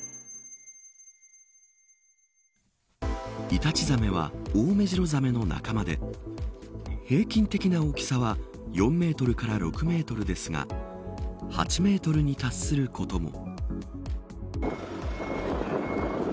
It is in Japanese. イタチザメはオオメジロザメの仲間で平均的な大きさは４メートルから６メートルですが８メートルに達することも。